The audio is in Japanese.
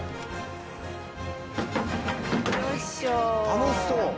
楽しそう。